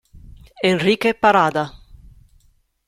Enrique Parada